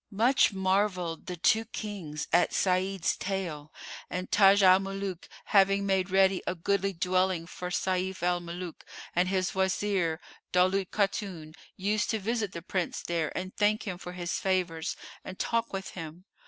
Much marvelled the two Kings at Sa'id's tale and Taj al Muluk having made ready a goodly dwelling for Sayf al Muluk and his Wazir, Daulat Khatun used to visit the Prince there and thank him for his favours and talk with him.